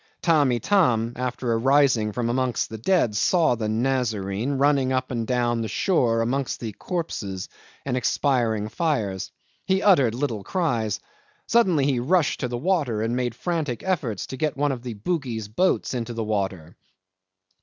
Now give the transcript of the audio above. Tamb' Itam, after arising from amongst the dead, saw the Nazarene running up and down the shore amongst the corpses and the expiring fires. He uttered little cries. Suddenly he rushed to the water, and made frantic efforts to get one of the Bugis boats into the water.